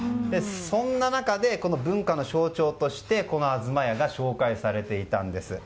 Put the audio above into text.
そんな中でこの文化の象徴として東家が紹介されていたんです。